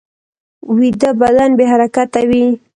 ویده بدن بې حرکته وي